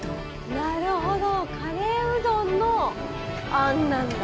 なるほどカレーうどんの餡なんだ。